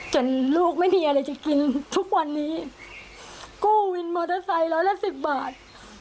ลูกไม่มีอะไรจะกินทุกวันนี้กู้วินมอเตอร์ไซค์ร้อยละสิบบาท